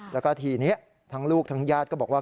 แล้วก็ทีนี้ทั้งลูกทั้งญาติก็บอกว่า